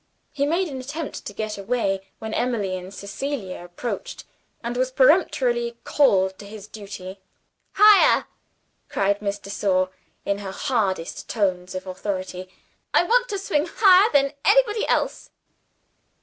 He made an attempt to get away when Emily and Cecilia approached, and was peremptorily recalled to his duty. "Higher!" cried Miss de Sor, in her hardest tones of authority. "I want to swing higher than anybody else!"